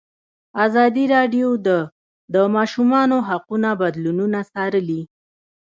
ازادي راډیو د د ماشومانو حقونه بدلونونه څارلي.